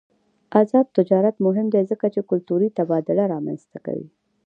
آزاد تجارت مهم دی ځکه چې کلتوري تبادله رامنځته کوي.